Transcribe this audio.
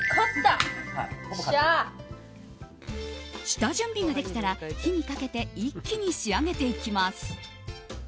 下準備ができたら火にかけて一気に仕上げていきます。